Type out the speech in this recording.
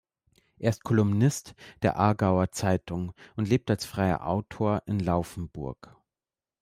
Er ist Kolumnist der "Aargauer Zeitung" und lebt als freier Autor in Laufenburg.